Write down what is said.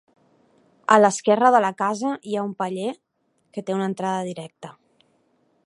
A l'esquerra de la casa hi ha un paller que té una entrada directa.